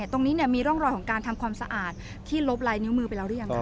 ตรงนี้มีร่องรอยของการทำความสะอาดที่ลบลายนิ้วมือไปแล้วหรือยังคะ